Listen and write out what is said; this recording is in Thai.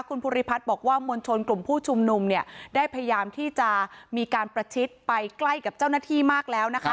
คุณภูริพัฒน์บอกว่ามวลชนกลุ่มผู้ชุมนุมเนี่ยได้พยายามที่จะมีการประชิดไปใกล้กับเจ้าหน้าที่มากแล้วนะคะ